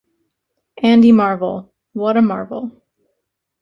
Andy Marvell, What a Marvel'.